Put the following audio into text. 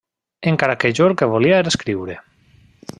Encara que jo el que volia era escriure.